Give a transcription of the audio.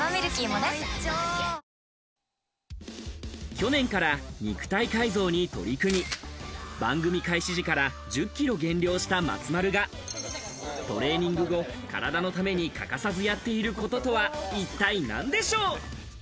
去年から肉体改造に取り組み、番組開始時から１０キロ減量した松丸が、トレーニング後、体のために欠かさずやっていることとは一体なんでしょう？